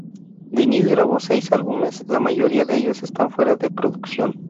Dennis grabó seis álbumes, la mayoría de ellos están fuera de producción.